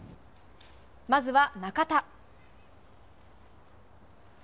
まずは中田。